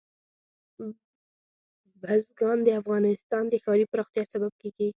بزګان د افغانستان د ښاري پراختیا سبب کېږي.